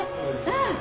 うん。